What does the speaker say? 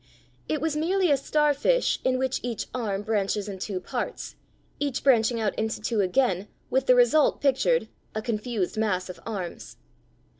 It was merely a starfish in which each arm branches in two parts, each branching out into two again with the result pictured, a confused mass of arms.